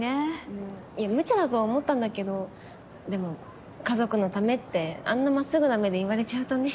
うんいやむちゃだとは思ったんだけどでも家族のためってあんなまっすぐな目で言われちゃうとね。